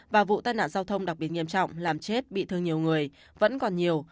và vụ tai nạn giao thông đặc biệt nghiêm trọng làm chết bị thương nhiều người vẫn còn nhiều